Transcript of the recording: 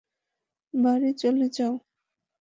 বাড়ি চলে যাও।